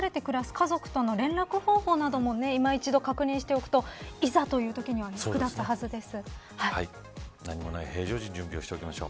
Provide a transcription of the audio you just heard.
この際、離れて暮らす家族との連絡方法も今一度確認しておくといざというときに役立つはずです。